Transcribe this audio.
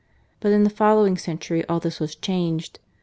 But in the following century all this was changed.